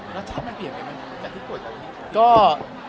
แล้วชาติมันเปลี่ยนไหมมันเป็นอาหารกะทิ